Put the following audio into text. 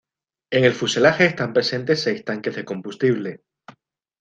En el fuselaje están presentes seis tanques de combustible.